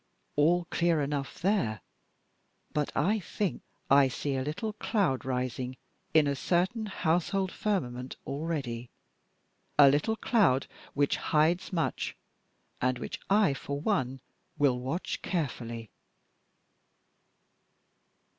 "All clear enough there; but I think I see a little cloud rising in a certain household firmament already a little cloud which hides much, and which I for one shall watch carefully."